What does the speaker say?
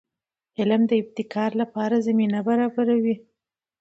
علم د ابتکار لپاره زمینه برابروي.